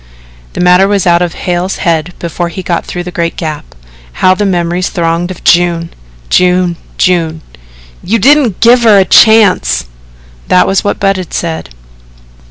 The matter was out of Hale's head before he got through the great Gap. How the memories thronged of June June June! "YOU DIDN'T GIVE HER A CHANCE." That was what Budd said.